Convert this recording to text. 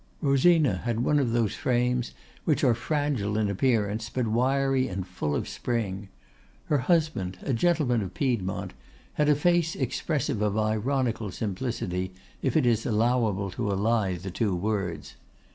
Rosina had one of those frames which are fragile in appearance, but wiry and full of spring. Her husband, a gentleman of Piedmont, had a face expressive of ironical simplicity, if it is allowable to ally the two words.